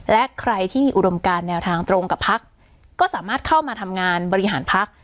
และใครที่มีอุดมการแนวทางตรงกับพักก็สามารถเข้ามาทำงานบริหารพัก